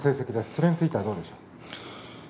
それについてはどうですか。